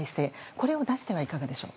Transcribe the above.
これを出してはいかがでしょう。